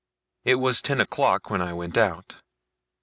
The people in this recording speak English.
It was ten o'clock when I went out.